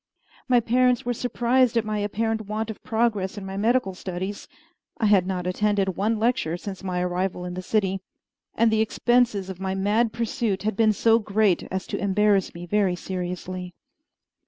My parents were surprised at my apparent want of progress in my medical studies (I had not attended one lecture since my arrival in the city), and the expenses of my mad pursuit had been so great as to embarrass me very seriously.